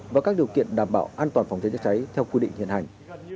và các điều kiện đảm bảo an toàn phòng cháy chữa cháy theo quy định hiện hành